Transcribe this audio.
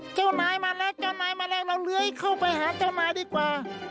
เจ้านายมาแล้วเจ้านายมาแล้วเราเลื้อยเข้าไปหาเจ้านายดีกว่า